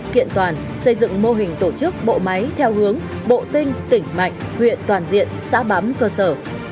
kiện toàn xây dựng mô hình tổ chức bộ máy theo hướng bộ tinh tỉnh mạnh huyện toàn diện xã bám cơ sở